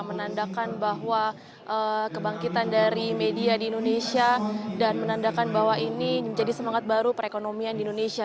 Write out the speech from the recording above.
menandakan bahwa kebangkitan dari media di indonesia dan menandakan bahwa ini menjadi semangat baru perekonomian di indonesia